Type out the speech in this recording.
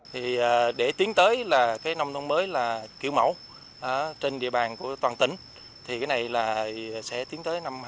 thì để tiến tới là cái nông thôn mới là kiểu mẫu trên địa bàn của toàn tỉnh thì cái này là sẽ tiến tới năm hai nghìn hai mươi